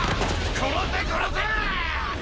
殺せ殺せ！